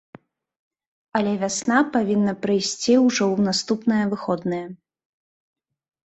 Але вясна павінна прыйсці ўжо ў наступныя выходныя.